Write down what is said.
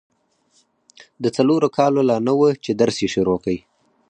د څلورو کالو لا نه وه چي درس يې شروع کی.